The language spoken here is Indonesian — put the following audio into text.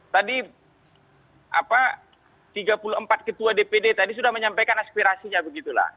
tadi tiga puluh empat ketua dpd tadi sudah menyampaikan aspirasinya begitulah